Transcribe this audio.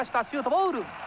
ボール。